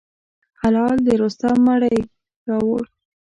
هلال د رستم مړی راووړ.